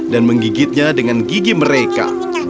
dan menggigitnya dengan gigi mereka